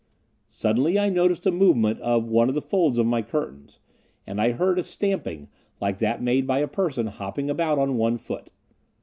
Suddenly I noticed a movement of one of the folds of my curtains, and I heard a stamping like that made by a person hopping about on one foot.